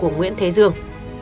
nguyễn thế dương